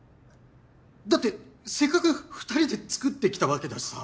だってせっかく２人で作ってきたわけだしさぁ。